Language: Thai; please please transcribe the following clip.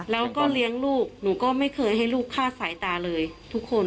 แล้วก็เลี้ยงลูกหนูก็ไม่เคยให้ลูกฆ่าสายตาเลยทุกคน